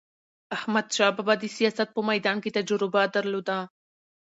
احمدشاه بابا د سیاست په میدان کې تجربه درلوده.